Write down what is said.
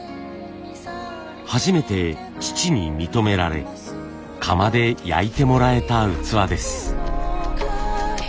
初めて父に認められ窯で焼いてもらえた器です。